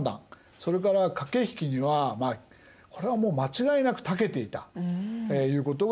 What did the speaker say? それから駆け引きにはこれはもう間違いなくたけていたということがいえる。